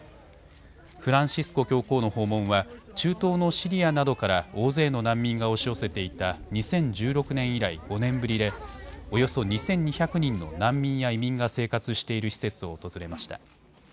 フランシスコ教皇の訪問は中東のシリアなどから大勢の難民が押し寄せていた２０１６年以来、５年ぶりでおよそ２２００人の難民や移民が生活している施設を訪れました。